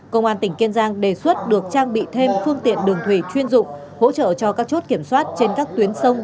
công an tỉnh kiên giang đề xuất được trang bị thêm phương tiện đường thủy chuyên dụng hỗ trợ cho các chốt kiểm soát trên các tuyến sông